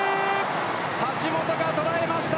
橋本が捉えました！